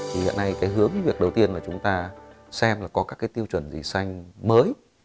thì hiện nay cái hướng với việc đầu tiên là chúng ta xem là có các cái tiêu chuẩn gì xanh mới